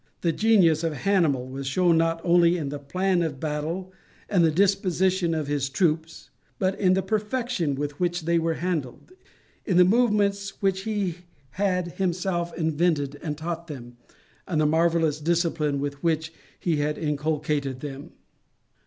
The genius of Hannibal was shown not only in the plan of battle and the disposition of his troops, but in the perfection with which they were handled, in the movements which he had himself invented and taught them, and the marvellous discipline with which he had inculcated them.